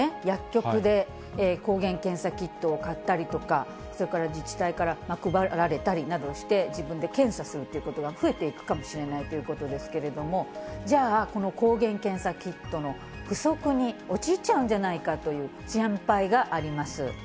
薬局で抗原検査キットを買ったりとか、それから自治体から配られたりなどして、自分で検査するということが増えていくかもしれないということですけれども、じゃあ、この抗原検査キットの不足に陥っちゃうんじゃないかという心配があります。